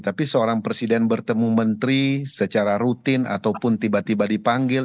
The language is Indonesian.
tapi seorang presiden bertemu menteri secara rutin ataupun tiba tiba dipanggil